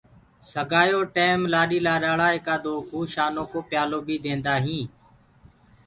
سگآيو ڪي ٽيم لآڏيٚ لآڏآݪآ آيڪا دو ڪوُ شآنو ڪو پيالو بي ديندآ هينٚ۔